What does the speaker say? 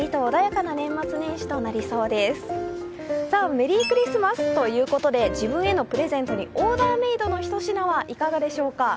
メリークリスマスということで自分へのプレゼントにオーダメイドの一品はいかがでしょうか。